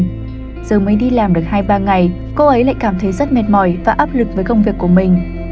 giờ mới đi làm được hai ba ngày cô ấy lại cảm thấy rất mệt mỏi và áp lực với công việc của mình